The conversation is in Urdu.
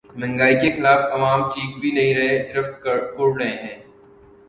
مہنگائی کے خلاف عوام چیخ بھی نہیں رہے‘ صرف کڑھ رہے ہیں۔